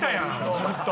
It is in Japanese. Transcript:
ずっと。